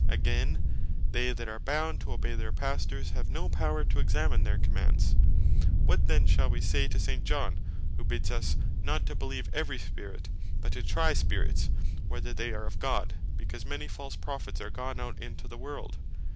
Again, they that are bound to obey, their Pastors, have no power to examine their commands. What then shall wee say to St. John who bids us (1 Epist. chap. 4. ver. 1.) "Not to beleeve every Spirit, but to try the Spirits whether they are of God, because many false Prophets are gone out into the world"?